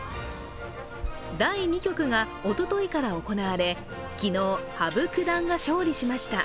第２局がおとといから行われ昨日、羽生九段が勝利しました。